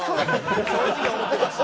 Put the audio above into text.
正直思ってました。